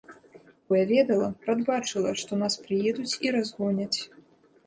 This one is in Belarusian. Бо я ведала, прадбачыла, што нас прыедуць і разгоняць.